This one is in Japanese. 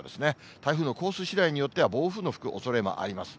台風のコースしだいによっては、暴風の吹くおそれがあります。